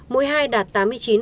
mũi hai đạt tám mươi chín sáu